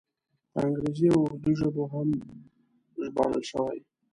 په انګریزي او اردو ژبو هم ژباړل شوی.